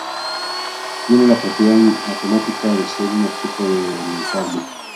Tiene la propiedad matemática de ser un objeto no orientable.